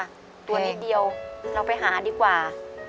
หนูไอตัวนิดเดียวคุณลองไปหาดีกว่า